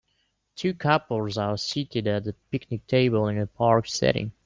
Two couples are seated at a picnic table in a park setting.